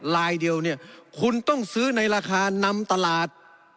ลายเดียวเนี่ยคุณต้องซื้อในราคานำตลาด